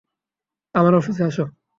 আমার অফিসে আসো।